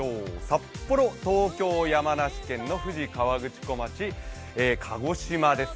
札幌、東京、山梨県の富士河口湖町、鹿児島です。